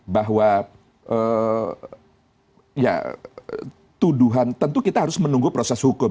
bahwa ya tuduhan tentu kita harus menunggu proses hukum